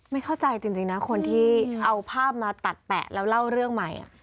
ไม่เข้าใจจริงนะคนที่เอาภาพมาตัดแปะแล้วเล่าเรื่องใหม่